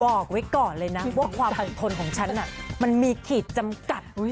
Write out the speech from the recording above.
บอกไว้ก่อนเลยนะว่าความอดทนของฉันมันมีขีดจำกัด